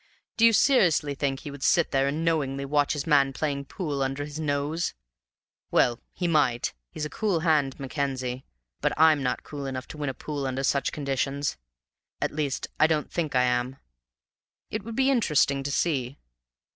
Do you seriously think he would sit there and knowingly watch his man playing pool under his nose? Well, he might; he's a cool hand, Mackenzie; but I'm not cool enough to win a pool under such conditions. At least I don't think I am; it would be interesting to see.